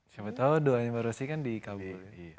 siapa tau doanya mbak rosy kan dikabulin